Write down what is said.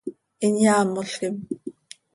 Hin yaamolquim.